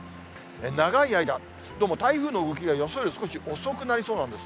長い間、どうも台風の動きが予想より少し遅くなりそうなんです。